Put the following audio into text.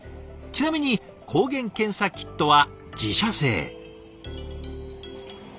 ちなみに抗原検査キットは自社製。